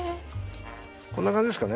こんな感じですかね。